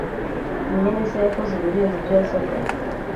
mwene se yakoze ibirenze ibyo yasabwaga.